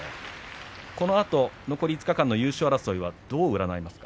このあと、残り５日間の優勝争いどう占いますか。